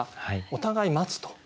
お互い待つと。